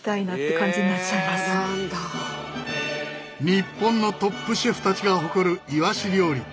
日本のトップシェフたちが誇るイワシ料理。